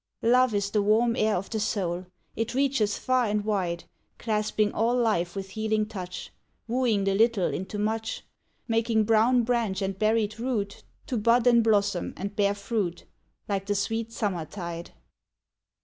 Love is the warm air of the soul ! It reacheth far and wide, Clasping all life with healing touch, Wooing the little into much, 108 777^ HEAVENLY AIRS Making brown branch and buried root To bud and blossom and bear fruit Like the sweet summer tide.